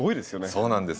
そうなんです。